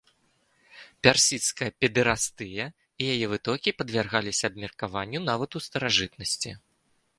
Персідская педэрастыя і яе вытокі падвяргаліся абмеркаванню нават у старажытнасці.